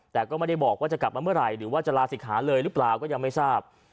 แต่ก็ไม่ได้บอกว่าจะกลับมาเมื่อไหร่หรือว่าจะลาศิกขาเลยหรือเปล่าก็ยังไม่ทราบ